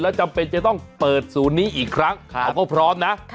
จำเป็นจะต้องเปิดศูนย์นี้อีกครั้งเขาก็พร้อมนะ